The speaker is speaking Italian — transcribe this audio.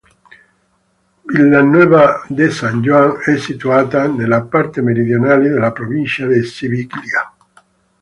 Villanueva de San Juan è situata nella parte meridionale della provincia di Siviglia.